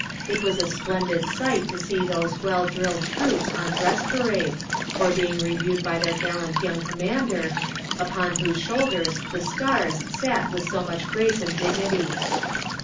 It was a splendid sight to see those well drilled troops on dress parade or being reviewed by their gallant young commander, upon whose shoulders the "stars" sat with so much grace and dignity.